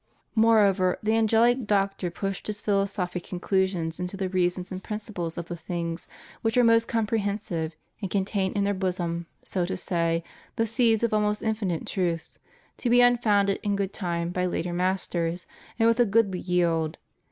Moreover, the Angelic Doctor pushed his philosophic conclusions into the reasons and principles of the things which are most comprehensive and contain in their bosom, so to say, the seeds of almost infinite truths, to be unfolded in good time by later masters and with a goodly yield.